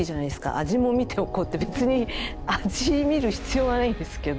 「味もみておこう」って別に味みる必要はないんですけど。